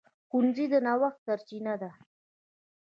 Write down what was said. ښوونځی د نوښت سرچینه ده